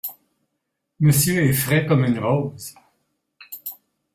Monsieur est frais comme une rose !…